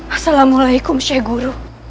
assalamualaikum sheikh guru